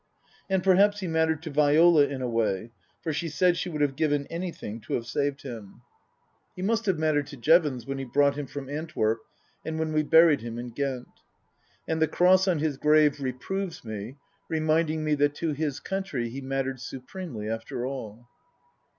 And perhaps he mattered to Viola, in a way ; for she said she would have given anything to have saved him. 316 Tasker Jevons He must have mattered to Jevons when he brought him from Antwerp and when we buried him in Ghent. And the cross on his grave reproves me, reminding me that to his country he mattered supremely, after all.